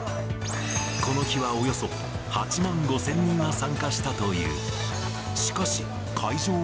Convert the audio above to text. この日はおよそ８万５０００人が参加したという。